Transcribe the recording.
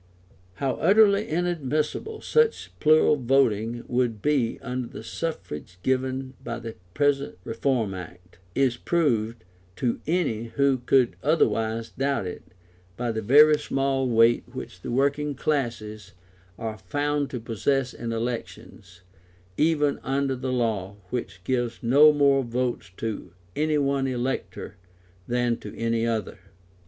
How utterly inadmissible such plural voting would be under the suffrage given by the present Reform Act, is proved, to any who could otherwise doubt it, by the very small weight which the working classes are found to possess in elections, even under the law which gives no more votes to any one elector than to any other.